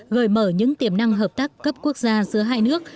gợi mở những tiềm năng hợp tác cấp quốc gia giữa hai nước